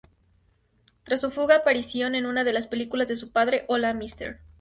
Tras su fugaz aparición en una de las películas de su padre, "Hola, Mr.